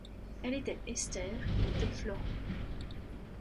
Elle était Esther, il était Florent.